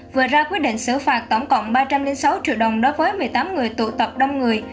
vừa ra quyết định xử phạt tổng cộng ba trăm linh sáu triệu đồng đối với một mươi tám người tụ tập đông người